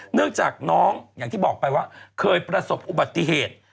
เนื่องจากน้องอย่างที่บอกไปว่าเคยประสบอุบัติเหตุ